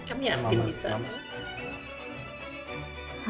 aku harus izin dulu deh ke mama roshan